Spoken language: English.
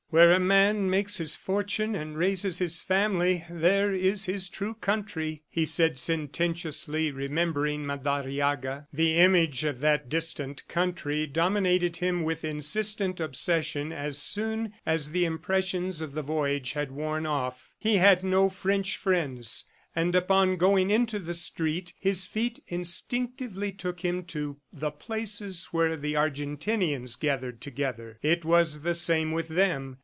"Where a man makes his fortune and raises his family, there is his true country," he said sententiously, remembering Madariaga. The image of that distant country dominated him with insistent obsession as soon as the impressions of the voyage had worn off. He had no French friends, and upon going into the street, his feet instinctively took him to the places where the Argentinians gathered together. It was the same with them.